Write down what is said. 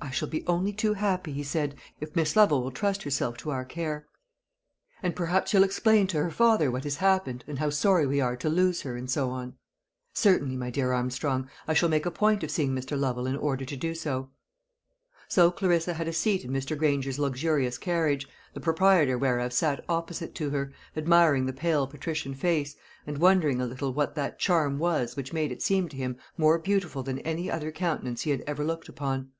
"I shall be only too happy," he said, "if Miss Lovel will trust herself to our care." "And perhaps you'll explain to her father what has happened, and how sorry we are to lose her, and so on." "Certainly, my dear Armstrong. I shall make a point of seeing Mr. Lovel in order to do so." So Clarissa had a seat in Mr. Granger's luxurious carriage, the proprietor whereof sat opposite to her, admiring the pale patrician face, and wondering a little what that charm was which made it seem to him more beautiful than any other countenance he had ever looked upon.